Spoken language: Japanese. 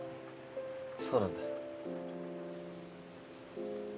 そうなんだ。